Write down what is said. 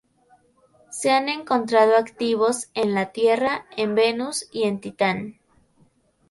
Se han encontrado activos en la Tierra, en Venus y en Titán.